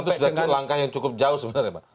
itu sudah langkah yang cukup jauh sebenarnya pak